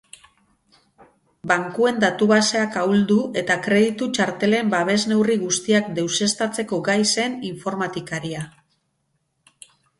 Bankuen datu-baseak ahuldu eta kreditu txartelen babes-neurri guztiak deuseztatzeko gai zen informatikaria.